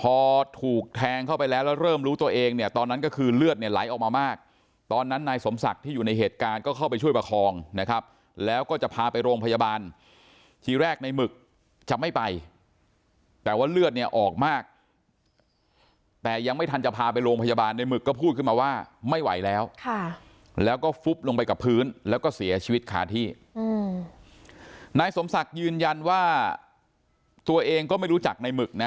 พอถูกแทงเข้าไปแล้วแล้วเริ่มรู้ตัวเองเนี่ยตอนนั้นก็คือเลือดเนี่ยไหลออกมามากตอนนั้นนายสมศักดิ์ที่อยู่ในเหตุการณ์ก็เข้าไปช่วยประคองนะครับแล้วก็จะพาไปโรงพยาบาลที่แรกในหมึกจะไม่ไปแปลว่าเลือดเนี่ยออกมากแต่ยังไม่ทันจะพาไปโรงพยาบาลในหมึกก็พูดขึ้นมาว่าไม่ไหวแล้วค่ะแล้วก็ฟุ๊บลงไปกับ